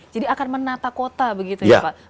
jadi akan menata kota begitu ya pak